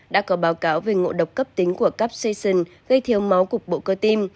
đã có báo cáo về ngộ độc cấp tính của cupshation gây thiếu máu cục bộ cơ tim